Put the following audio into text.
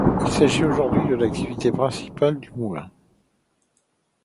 Il s'agit aujourd'hui de l'activité principale du moulin.